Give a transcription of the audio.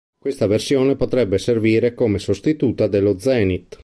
Questa versione potrebbe servire come sostituta dello Zenit.